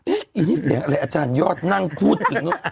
เอ๊ะอี๋เสียงอะไรอาจารยยอดนั่งพูดสิ